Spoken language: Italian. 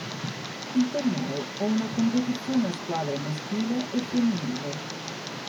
Il torneo è una competizione a squadre maschile e femminile.